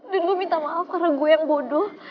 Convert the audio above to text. dan gue minta maaf karena gue yang bodoh